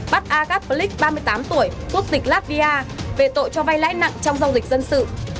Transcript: bắt tạm giam đối tượng maxim zhukov bốn mươi một tuổi quốc dịch latvia về tội cho vay lẽ nặng trong giao dịch dân sự